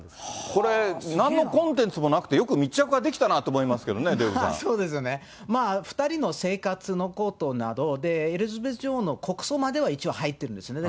これ、なんのコンテンツもなくて、よく密着ができたなと思いそうですね、２人の生活のことなどで、エリザベス女王の国葬までは一応入ってるんですね。